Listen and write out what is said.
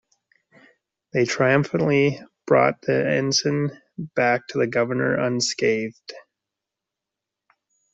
They triumphantly brought the ensign back to the Governor unscathed.